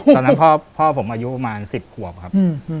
ตอนนั้นพ่อผมอายุประมาณ๑๐ขวบครับ